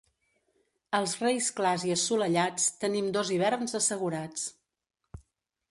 Els Reis clars i assolellats, tenim dos hiverns assegurats.